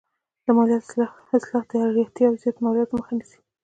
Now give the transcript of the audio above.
د مالیاتو اصلاح د اړتیا زیاتو مالیاتو مخه نیسي.